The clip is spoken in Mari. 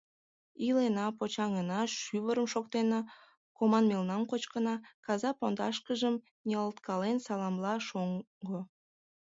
Илена, почаҥына, шӱвырым шоктена, команмелнам кочкына! — каза пондашыжым ниялткален, саламла шоҥго.